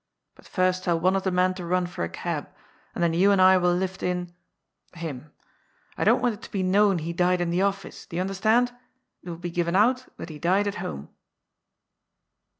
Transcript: But first tell one of the men to run for a cab, and then you and I will lift in — him. I don't want it to be known he died in the office. Do you understand? It will be given out that he died at home."